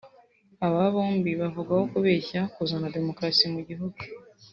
Abo bombo bavugwaho kubeshya kuzana demokarasi mu gihugu